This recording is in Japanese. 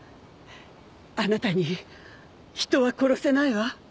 あなたに人は殺せないわ。